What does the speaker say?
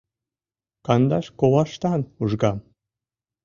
Кандаш коваштан ужгам